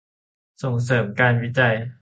ส่งเสริมการวิจัย